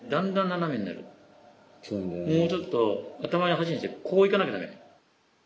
もうちょっと頭の鉢に対してこういかなきゃダメ。